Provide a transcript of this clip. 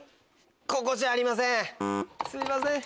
ここじゃありません。